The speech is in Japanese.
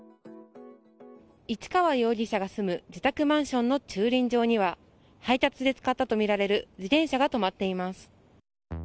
市川容疑者が住む自宅マンションの駐輪場には配達で使ったとみられる自転車が止まっています。